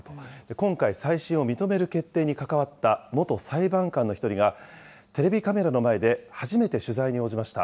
今回再審を認める決定に関わった元裁判官の１人が、テレビカメラの前で初めて取材に応じました。